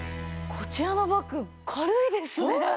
こちらのバッグ軽いですね。